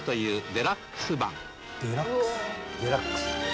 デラックス。